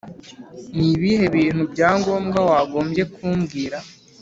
Ni ibihe bintu bya ngombwa wagombye kumbwira